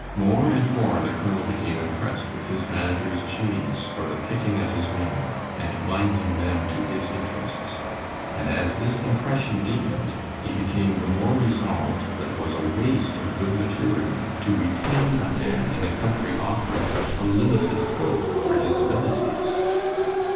More and more the colonel became impressed with his manager's genius for the picking of his men and binding them to his interests, and as this impression deepened he became the more resolved that it was a waste of good material to retain a man in a country offering such a limited scope for his abilities.